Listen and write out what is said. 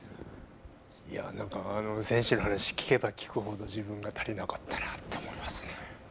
なんか選手の話聞けば聞くほど自分が足りなかったなと思いますね。